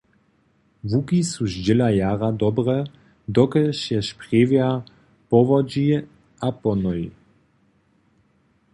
Łuki su zdźěla jara dobre, dokelž je Sprjewja powodźi a pohnoji.